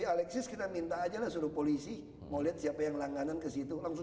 alexis kita minta aja lah suruh polisi mau lihat siapa yang langganan ke situ langsung